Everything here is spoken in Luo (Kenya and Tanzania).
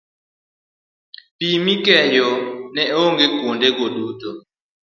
Pi mikeyo ne onge kuondego duto